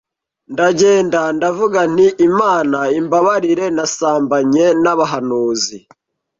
ndagenda ndavuga nti Imana imbabarire nasambanye n’abahanuzi